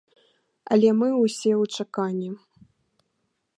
Але мы ўсе ў чаканні.